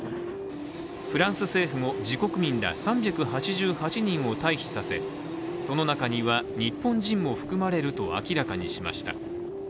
フランス政府も自国民ら３８８人を退避させ、その中には日本人も含まれると明らかにしました。